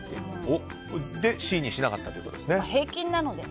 で、Ｃにしなかったということですね。